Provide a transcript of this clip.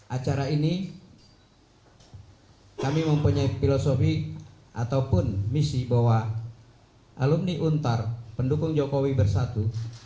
acara ini kami mempunyai filosofi ataupun misi bahwa alumni untar pendukung jokowi bersatu